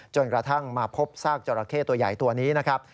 กระทั่งมาพบซากจราเข้ตัวใหญ่ตัวนี้นะครับ